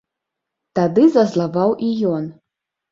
Тады зазлаваў і ён.